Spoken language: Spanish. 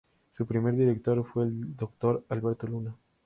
Su primer director fue el doctor Alberto Luna.